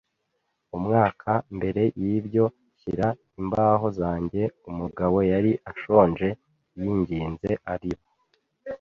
umwaka mbere yibyo, shyira imbaho zanjye, umugabo yari ashonje! Yinginze, ariba,